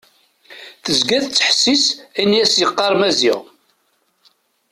Tezga tettḥessis ayen i as-d-yeqqar Maziɣ.